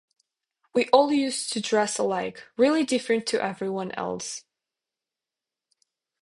We all used to dress alike, really different to everyone else.